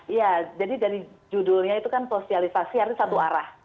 iya jadi dari judulnya itu kan sosialisasi artinya satu arah